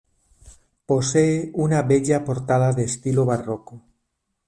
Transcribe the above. Posee una bella portada de estilo barroco.